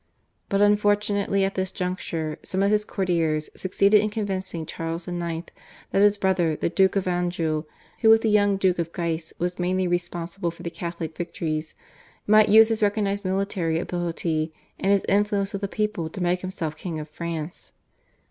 But unfortunately at this juncture some of his courtiers succeeded in convincing Charles IX. that his brother, the Duke of Anjou, who with the young Duke of Guise was mainly responsible for the Catholic victories, might use his recognised military ability and his influence with the people to make himself king of France.